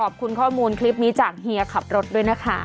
ขอบคุณข้อมูลคลิปนี้จากเฮียขับรถด้วยนะคะ